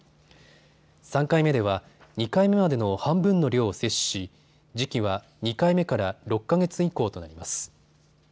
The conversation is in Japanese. ３回目では２回目までの半分の量を接種し時期は２回目から６か月以降となります。